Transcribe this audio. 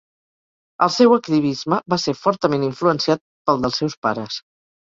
El seu activisme va ser fortament influenciat pel dels seus pares.